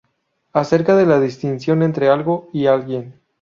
Acerca de la distinción entre ‘algo’ y ‘alguien’.